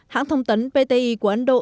hãng thông tấn pti của ấn độ